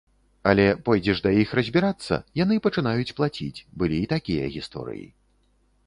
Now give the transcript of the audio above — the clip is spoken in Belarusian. Але пойдзеш да іх разбірацца, яны пачынаюць плаціць, былі і такія гісторыі.